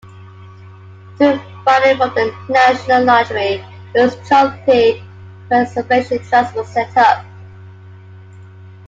Through funding from the National Lottery, Ullesthorpe Preservation Trust was set up.